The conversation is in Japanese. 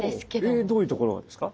えどういうところがですか？